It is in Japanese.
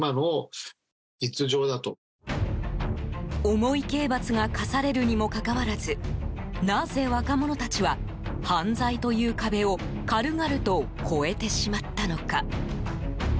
重い刑罰が科されるにもかかわらずなぜ若者たちは犯罪という壁を軽々と越えてしまったのか。